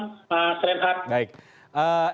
ya selamat malam pak srenhat